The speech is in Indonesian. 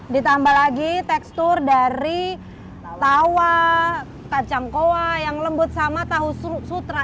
ditambah lagi tekstur dari tauwa kacangkoa yang lembut sama tahu sutra